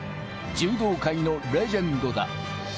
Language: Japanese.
柔道界のレジェンドだ。